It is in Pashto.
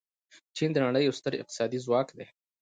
چین د نړۍ یو ستر اقتصادي ځواک دی.